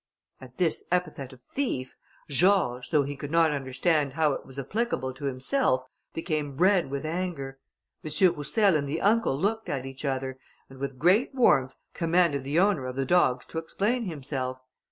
At this epithet of thief, George, though he could not understand how it was applicable to himself, became red with anger. M. Roussel and the uncle looked at each other, and with great warmth commanded the owner of the dogs to explain himself.